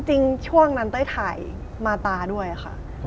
ช่วงนั้นเต้ยถ่ายมาตาด้วยค่ะ